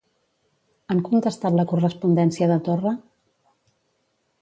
Han contestat la correspondència de Torra?